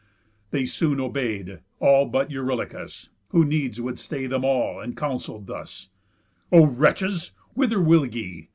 ᾿ They soon obey'd; all but Eurylochus, Who needs would stay them all, and counsell'd thus: ῾O wretches! whither will ye?